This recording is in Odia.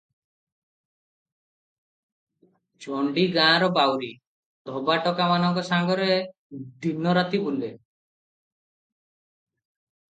ଚଣ୍ଡୀ ଗାଁର ବାଉରି, ଧୋବା ଟୋକାମାନଙ୍କ ସାଙ୍ଗରେ ଦିନ ରାତି ବୁଲେ ।